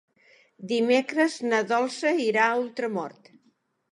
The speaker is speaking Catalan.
Dimecres na Dolça irà a Ultramort.